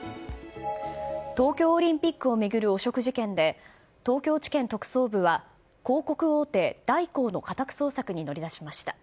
東京オリンピックを巡る汚職事件で、東京地検特捜部は、広告大手、大広の家宅捜索に乗り出しました。